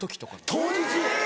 当日！